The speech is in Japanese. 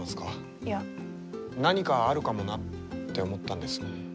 何かあるかもなって思ったんです。